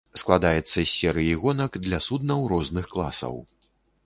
Складаецца з серыі гонак для суднаў розных класаў.